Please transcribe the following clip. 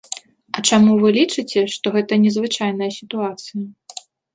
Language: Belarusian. А чаму вы лічыце, што гэта незвычайная сітуацыя?